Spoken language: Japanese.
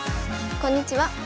こんにちは。